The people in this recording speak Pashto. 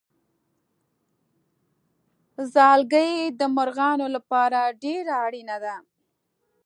ځالګۍ د مرغانو لپاره ډېره اړینه ده.